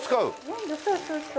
粘土そうそうそう。